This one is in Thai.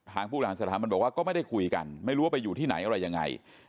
ผู้บริหารสถาบันบอกว่าก็ไม่ได้คุยกันไม่รู้ว่าไปอยู่ที่ไหนอะไรยังไง